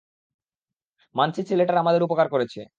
মানছি ছেলেটার আমাদের উপকার করেছে।